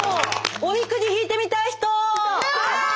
おみくじ引いてみたい人！